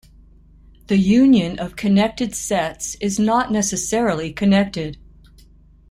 The union of connected sets is not necessarily connected.